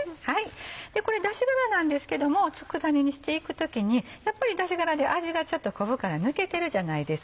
これ出しがらなんですけども佃煮にしていく時にやっぱり出しがらで味がちょっと昆布から抜けてるじゃないですか。